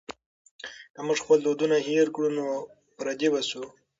که موږ خپل دودونه هېر کړو نو پردي به شو.